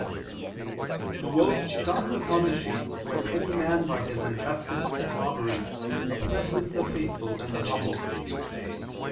that "the wolf comes upon the sheep when any man by his injustice and robbery oppresses the faithful and the humble."